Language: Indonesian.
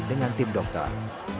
dengan tim dokter